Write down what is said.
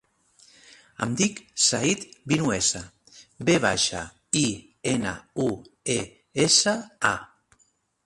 Em dic Zayd Vinuesa: ve baixa, i, ena, u, e, essa, a.